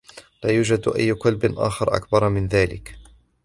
لا يوجد أي كلب آخر أكبر من ذلك.